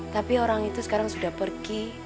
tapi orang itu sekarang sudah pergi